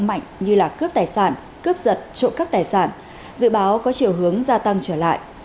mạnh như là cướp tài sản cướp giật trộm cắp tài sản dự báo có chiều hướng gia tăng trở lại